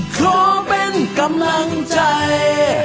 ขอเป็นกำลังใจ